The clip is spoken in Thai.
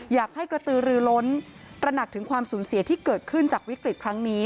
อยากให้กระตือรือล้นตระหนักถึงความสูญเสียที่เกิดขึ้นจากวิกฤตครั้งนี้